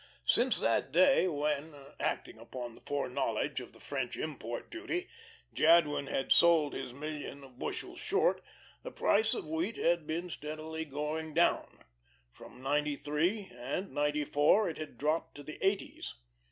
Since that day when acting upon the foreknowledge of the French import duty Jadwin had sold his million of bushels short, the price of wheat had been steadily going down. From ninety three and ninety four it had dropped to the eighties.